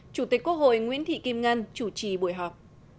chủ tịch quốc hội nguyễn thị kim ngân chủ trì buổi họp